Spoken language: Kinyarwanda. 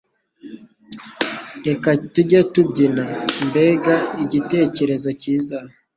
"Reka tujye kubyina." "Mbega igitekerezo cyiza!"